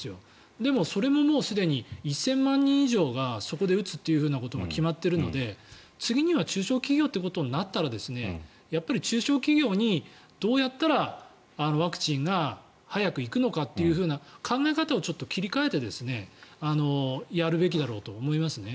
でもそれが１０００万人以上がそこで打つということが決まっているので次には中小企業ということになったらやっぱり中小企業にどうやったらワクチンが早く行くのかっていう考え方をちょっと切り替えてやるべきだろうと思いますね。